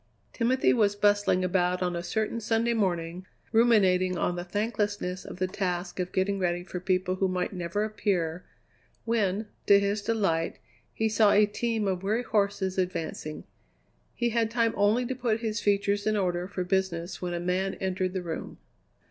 Timothy was bustling about on a certain Sunday morning, ruminating on the thanklessness of the task of getting ready for people who might never appear, when, to his delight, he saw a team of weary horses advancing. He had time only to put his features in order for business when a man entered the room.